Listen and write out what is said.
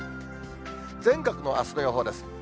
全国のあすの予報です。